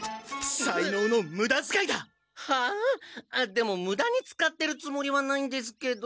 でもムダに使ってるつもりはないんですけど。